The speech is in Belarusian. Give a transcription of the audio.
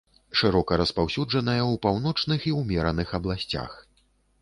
Шырока распаўсюджаная ў паўночных і ўмераных абласцях.